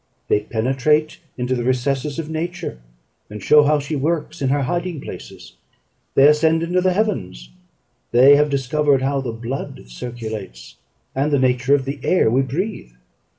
They penetrate into the recesses of nature, and show how she works in her hiding places. They ascend into the heavens: they have discovered how the blood circulates, and the nature of the air we breathe.